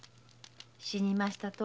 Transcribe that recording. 死にましたと。